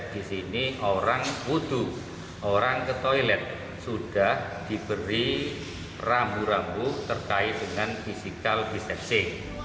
di sini orang wudhu orang ke toilet sudah diberi rambu rambu terkait dengan physical distancing